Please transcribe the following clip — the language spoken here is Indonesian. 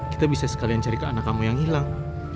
kita bisa sekalian cari ke anak kamu yang hilang